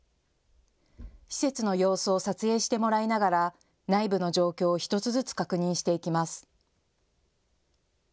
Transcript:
施設の様子を撮影してもらいながら内部の状況を１つずつ確認していきます。